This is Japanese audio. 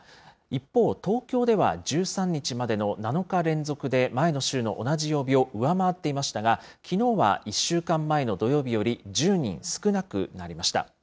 一方、東京では１３日までの７日連続で、前の週の同じ曜日を上回っていましたが、きのうは１週間前の土曜日より１０人少なくなりました。